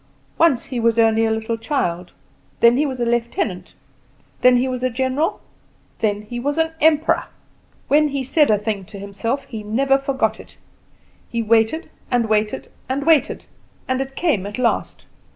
Once he was only a little child, then he was a lieutenant, then he was a general, then he was an emperor. When he said a thing to himself he never forgot it. He waited, and waited and waited, and it came at last."